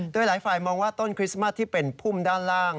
โดยหลายฝ่ายมองว่าต้นคริสต์มัสที่เป็นพุ่มด้านล่าง